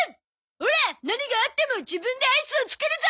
オラ何があっても自分でアイスを作るゾ！